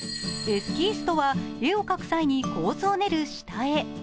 エスキースとは絵を描く際に構想を練る下絵。